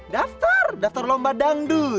daftar daftar lomba dangdut